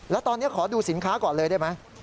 แล้วตอนนี้ขอดูสินค้าก่อนเลยได้ไหม